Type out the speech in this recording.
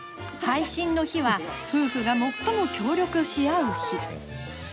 配信の日は夫婦が最も協力し合う日。